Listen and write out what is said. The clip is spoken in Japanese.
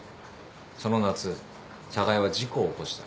その夏寒河江は事故を起こした。